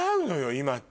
今って。